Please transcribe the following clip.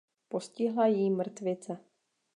Postihla jí mrtvice.